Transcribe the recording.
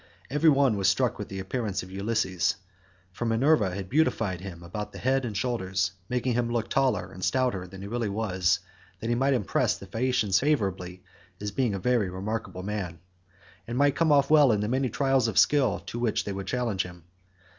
Every one was struck with the appearance of Ulysses, for Minerva had beautified him about the head and shoulders, making him look taller and stouter than he really was, that he might impress the Phaeacians favourably as being a very remarkable man, and might come off well in the many trials of skill to which they would challenge him.